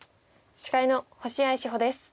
司会の星合志保です。